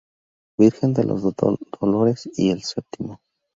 Virgen de los Dolores y el Stmo.